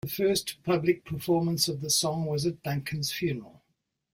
The first public performance of the song was at Duncan's funeral.